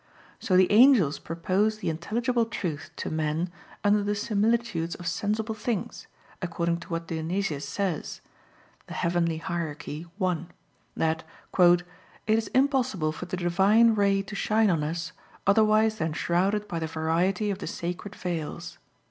So the angels propose the intelligible truth to men under the similitudes of sensible things, according to what Dionysius says (Coel. Hier. i), that, "It is impossible for the divine ray to shine on us, otherwise than shrouded by the variety of the sacred veils."